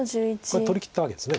これ取りきったわけです。